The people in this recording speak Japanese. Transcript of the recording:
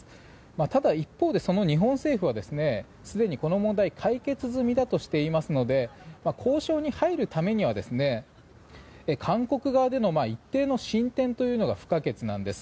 ただ、一方でその日本政府はすでにこの問題は解決済みだとしていますので交渉に入るためには韓国側での一定の進展というのが不可欠なんです。